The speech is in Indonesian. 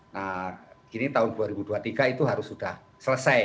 nah ini tahun dua ribu dua puluh tiga itu harus sudah selesai